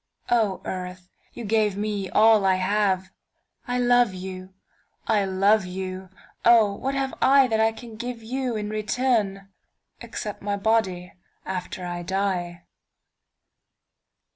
O Earth, you gave me all I have,I love you, I love you, oh what have IThat I can give you in return—Except my body after I die?